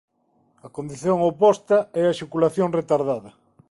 A condición oposta é a exaculación retardada.